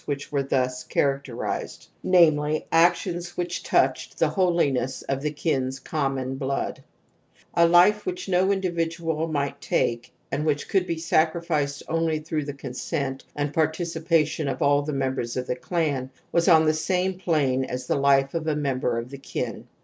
which were ,0> ] thus characterized, namely, actions which / touched the holiness of the kin's common bloody A life which no individual might take and which could be sacrificed only through the consent and participation of all the members of the clan was on the same plane as the life of a member of the kin.